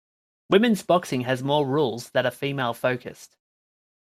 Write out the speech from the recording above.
Women's boxing has more rules that are female focused.